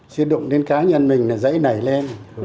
chứ đụng đến cá nhân mình là dãy nảy lên